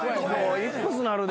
・イップスなるで。